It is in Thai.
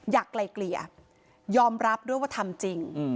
ไกลเกลี่ยยอมรับด้วยว่าทำจริง